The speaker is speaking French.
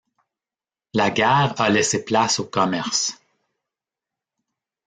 La guerre a laissé place au commerce.